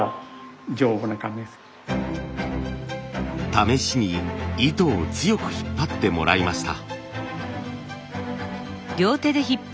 試しに糸を強く引っ張ってもらいました。